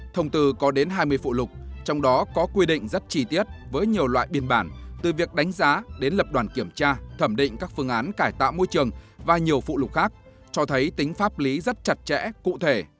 thông từ có đến hai mươi phụ lục trong đó có quy định rất chi tiết với nhiều loại biên bản từ việc đánh giá đến lập đoàn kiểm tra thẩm định các phương án cải tạo môi trường và nhiều phụ lục khác cho thấy tính pháp lý rất chặt chẽ cụ thể